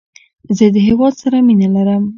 زه د هیواد سره مینه لرم.